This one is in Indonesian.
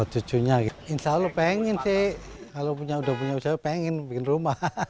cucunya insya allah pengen sih kalau udah punya usaha pengen bikin rumah